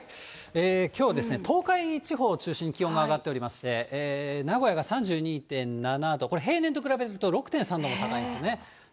きょうですね、東海地方を中心に気温が上がっておりまして、名古屋が３２．７度、これ、平年と比べると６．３度も高いんですね。